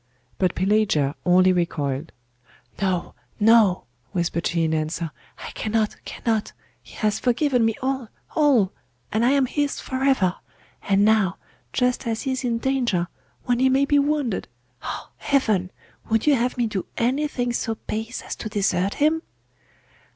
But Pelagia only recoiled. 'No, no,' whispered she in answer, 'I cannot, cannot he has forgiven me all, all! and I am his for ever! And now, just as he is in danger, when he may be wounded ah, heaven! would you have me do anything so base as to desert him?